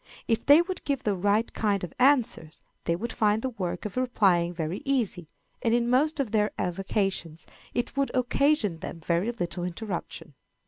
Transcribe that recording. If they would give the right kind of answers, they would find the work of replying very easy, and in most of their avocations it would occasion them very little interruption.